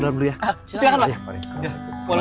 alhamdulillah sekali acara